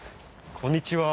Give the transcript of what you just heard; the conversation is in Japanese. こんにちは。